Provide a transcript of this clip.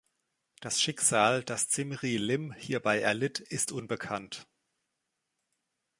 Das Schicksal, das Zimri-Lim hierbei erlitt, ist unbekannt.